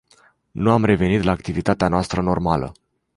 Nu am revenit la activitatea noastră normală.